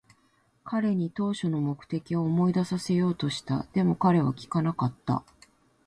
彼に当初の目的を思い出させようとした。でも、彼は聞かなかった。